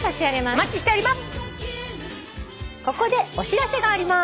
お待ちしてます。